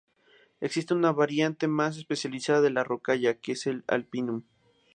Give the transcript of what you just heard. Existe una variante más especializada de la rocalla, que es el alpinum.